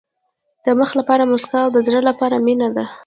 د مخ لپاره موسکا او د زړه لپاره مینه ده.